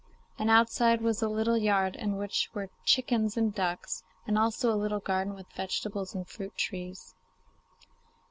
And outside was a little yard in which were chickens and ducks, and also a little garden with vegetables and fruit trees.